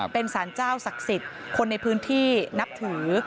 เป็นสารเจ้าศักดิ์สิทธิ์คนในพื้นที่นับถือ